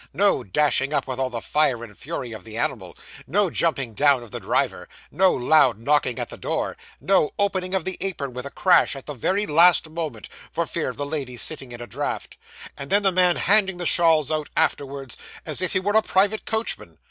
No dashing up, with all the fire and fury of the animal; no jumping down of the driver; no loud knocking at the door; no opening of the apron with a crash at the very last moment, for fear of the ladies sitting in a draught; and then the man handing the shawls out, afterwards, as if he were a private coachman!